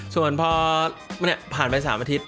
ส่วนพอผ่านไป๓อาทิตย